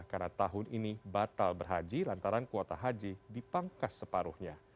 karena tahun ini batal berhaji lantaran kuota haji dipangkas separuhnya